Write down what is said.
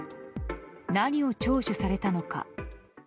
何を聴取されたのか。